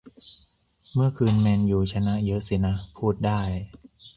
เมื่อคืนแมนยูชนะเยอะสินะ พูดได้